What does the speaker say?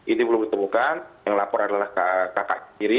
ini belum ditemukan yang lapor adalah kakak sendiri